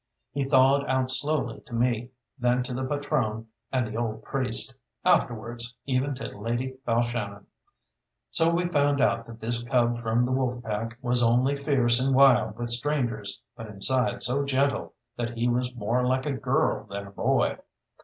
He thawed out slowly to me, then to the patrone and the old priest; afterwards even to Lady Balshannon. So we found out that this cub from the Wolf Pack was only fierce and wild with strangers, but inside so gentle that he was more like a girl than a boy.